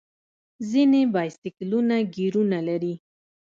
ځینې بایسکلونه ګیرونه لري.